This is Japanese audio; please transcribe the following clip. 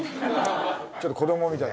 ちょっと子どもみたい。